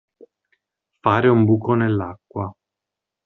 Fare un buco nell'acqua.